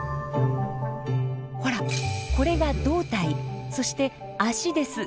ほらこれが胴体そして足です。